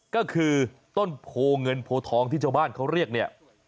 ก็คือต้นโพเงินโพทองที่ชาวบ้านเขาเรียกเนี่ย